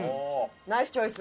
ナイスチョイス！